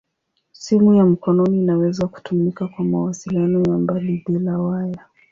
Simu ya mkononi inaweza kutumika kwa mawasiliano ya mbali bila waya.